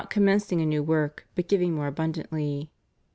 431 commencing a new work, but giving more abundantly."